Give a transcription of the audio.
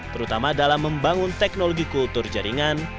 terutama dalam membangun teknologi kultur jaringan